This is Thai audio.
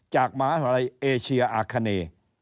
จากมหาลัยเอเชียอาคาเน